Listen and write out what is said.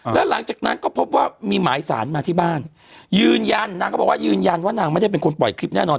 แล้วหลังจากนั้นก็พบว่ามีหมายสารมาที่บ้านยืนยันนางก็บอกว่ายืนยันว่านางไม่ได้เป็นคนปล่อยคลิปแน่นอน